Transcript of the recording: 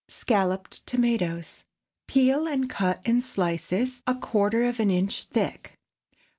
SCALLOPED TOMATOES. ✠ Peel and cut in slices a quarter of an inch thick.